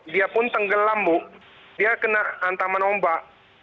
dia pun tenggelam bu dia kena hantaman ombak